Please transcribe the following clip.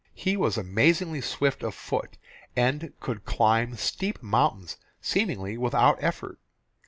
He was amazingly swift of foot, and could climb steep mountains seemingly without effort.